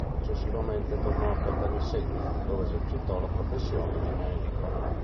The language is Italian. Successivamente tornò a Caltanissetta dove esercitò la professione di medico.